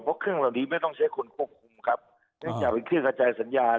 เพราะเครื่องเหล่านี้ไม่ต้องใช้คนควบคุมครับเนื่องจากเป็นเครื่องกระจายสัญญาณ